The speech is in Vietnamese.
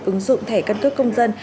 ứng dụng thẻ cân cướp công dân